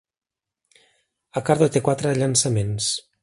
Accardo té quatre llançaments.